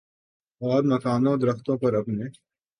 اور مکانوں درختوں پر اپنے